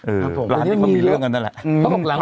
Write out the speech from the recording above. ร้านที่เขามีเรื่องกันนั่นแหละ